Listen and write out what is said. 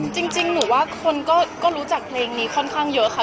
จริงหนูว่าคนก็รู้จักเพลงนี้ค่อนข้างเยอะค่ะ